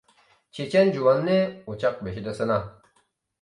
چېچەن جۇۋاننى ئوچاق بېشىدا سىنا.